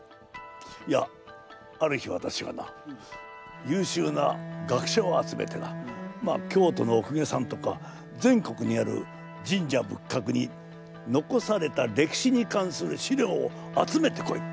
いやある日わたしがなゆうしゅうな学者を集めてな京都のお公家さんとか全国にある神社仏閣に残された歴史に関する史料を集めてこいこう命令したんです。